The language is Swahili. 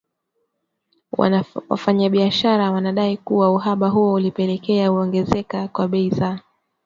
Wafanyabiashara wanadai kuwa uhaba huo ulipelekea kuongezeka kwa bei za